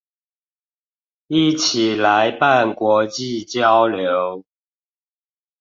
一起來辦國際交流？